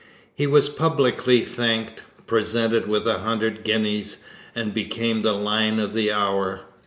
He was publicly thanked, presented with a hundred guineas, and became the lion of the hour.